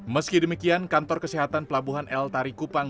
meski demikian kantor kesehatan pelabuhan el tarikupang